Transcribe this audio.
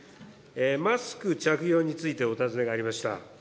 マスク着用についてお尋ねがありました。